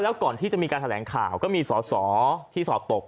แล้วก่อนที่จะมีการแถลงข่าวก็มีสอสอที่สอบตก